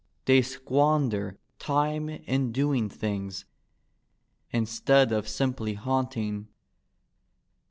They squander time in doing things, Instead of simply haunting.